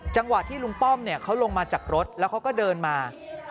จังหวะที่ลุงป้อมเขาลงมาจากรถแล้วเขาก็เดินมา